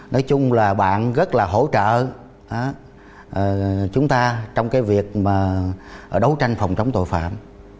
nói chung là bạn rất là hỗ trợ chúng ta trong việc đấu tranh phòng chống tội phạm